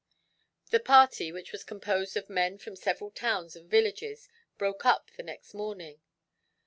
The party, which was composed of men from several towns and villages, broke up the next morning.